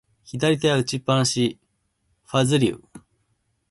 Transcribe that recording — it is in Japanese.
左手は持ちっぱなし、ファズリウ。